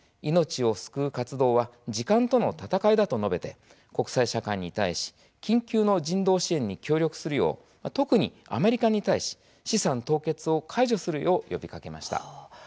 命を救う活動は時間との闘いだと述べて、国際社会に対し緊急の人道支援に協力するよう特にアメリカに対し資産凍結を解除するよう呼びかけました。